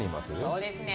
そうですね。